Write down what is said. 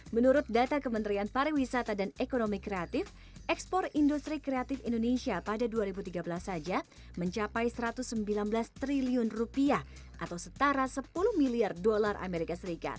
menurut data kementerian pariwisata dan ekonomi kreatif ekspor industri kreatif indonesia pada dua ribu tiga belas saja mencapai satu ratus sembilan belas triliun rupiah atau setara sepuluh miliar dolar as